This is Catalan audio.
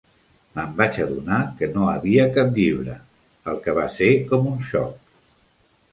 M'en vaig adonar que no havia cap llibre, el que va ser com un xoc.